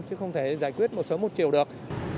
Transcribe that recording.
chứ không thể giải quyết một sớm một chiều được